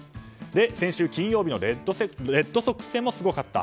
先週金曜日のレッドソックス戦もすごかった。